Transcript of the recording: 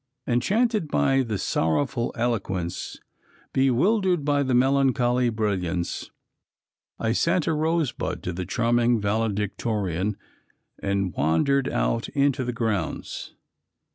Enchanted by the sorrowful eloquence, bewildered by the melancholy brilliancy, I sent a rosebud to the charming valedictorian and wandered out into the grounds.